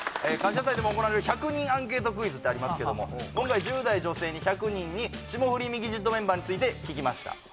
感謝祭でも行われる１００人アンケートクイズってありますけども今回１０代女性１００人に「霜降りミキＸＩＴ」メンバーについて聞きました